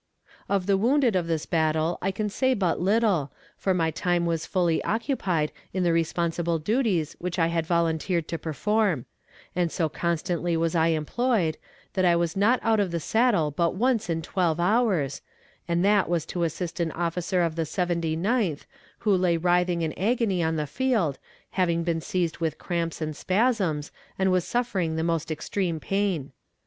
Of the wounded of this battle I can say but little, for my time was fully occupied in the responsible duties which I had volunteered to perform; and so constantly was I employed, that I was not out of the saddle but once in twelve hours, and that was to assist an officer of the Seventy ninth, who lay writhing in agony on the field, having been seized with cramps and spasms, and was suffering the most extreme pain.